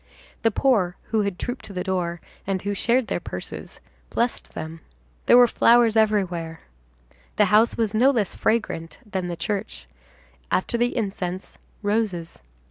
The poor, who had trooped to the door, and who shared their purses, blessed them. There were flowers everywhere. The house was no less fragrant than the church; after the incense, roses.